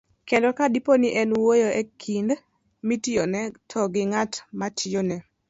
kendo, kadipo ni en wuoyo e kind mitiyone to gi ng'at matiyone,